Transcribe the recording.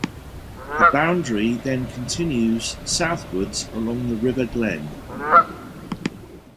The boundary then continues southwards along the River Glen.